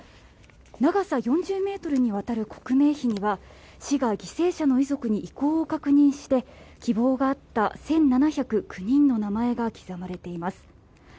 長さ４０ｍにわたる刻銘碑には市が犠牲者の遺族に意向を確認して、希望があった１７０９人の名前が刻まれています。